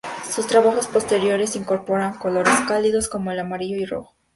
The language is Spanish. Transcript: Sus trabajos posteriores incorporan colores cálidos como el amarillo y rojo.